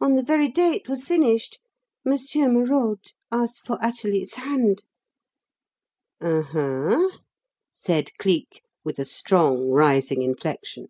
On the very day it was finished, Monsieur Merode asked for Athalie's hand." "Oho!" said Cleek, with a strong rising inflection.